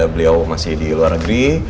beliau masih di luar negeri